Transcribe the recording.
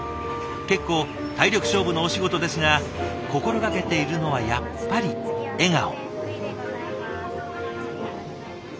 結構体力勝負のお仕事ですが心掛けているのはやっぱり笑顔。